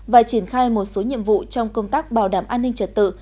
và triển khai một số nhiệm vụ trong công tác bảo đảm an ninh trật tự